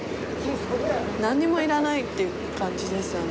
何も要らないっていう感じですよね。